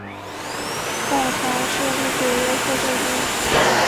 后唐设立左右护圣军。